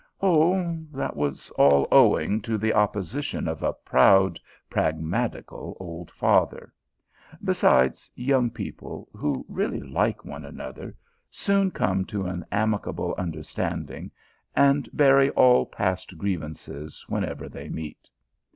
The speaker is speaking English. Oh, that was all owing to the opposition of a proud pragmatical old father, besides, young people, who really like one another, soon come to an amicable understanding, and bury all past grievances whenever they meet.